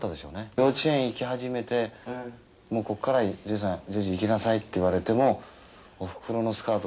「幼稚園行き始めて“もうここからは譲二さん譲二行きなさい”って言われてもおふくろのスカート